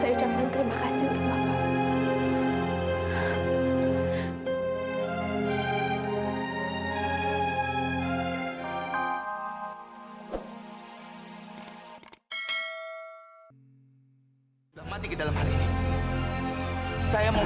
yang didengar hanya ini